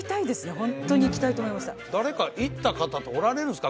ホントに行きたいと思いました誰か行った方っておられるんですか？